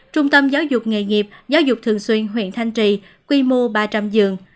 trung tâm giáo dục nghề nghiệp giáo dục thường xuyên huyện thanh trì quy mô ba trăm linh giường